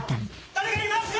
誰かいますか？